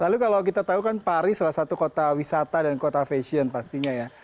lalu kalau kita tahu kan paris salah satu kota wisata dan kota fashion pastinya ya